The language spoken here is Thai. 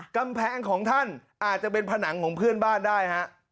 กำแพงของท่านอาจจะเป็นผนังของเพื่อนบ้านได้ฮะ